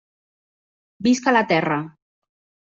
Visca la terra!